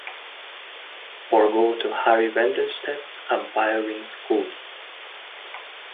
Or go to Harry Wendelstedt's umpiring school.